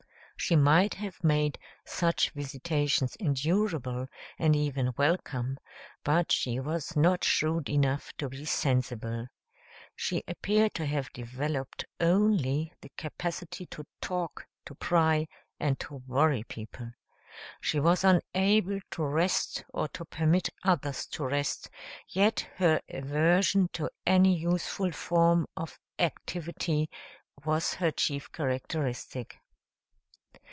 She might have made such visitations endurable and even welcome, but she was not shrewd enough to be sensible. She appeared to have developed only the capacity to talk, to pry, and to worry people. She was unable to rest or to permit others to rest, yet her aversion to any useful form of activity was her chief characteristic.